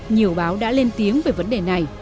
nhiều báo đã lên tiếng về vấn đề này